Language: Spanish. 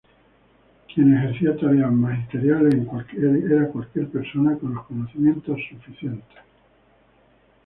Quien ejercía tareas magisteriales era cualquier persona con los conocimientos suficientes.